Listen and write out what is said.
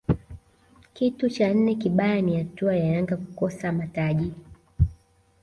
Kitu cha nne kibaya ni hatua ya Yanga kukosa mataji